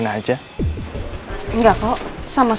thank you mas